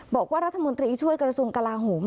บอกว่ารัฐมนตรีช่วยกระทรวงกลาโหม